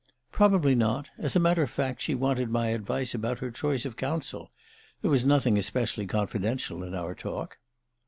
"Probably not. As a matter of fact, she wanted my advice about her choice of counsel. There was nothing especially confidential in our talk."